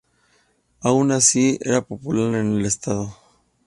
Aun así, era popular en Edo.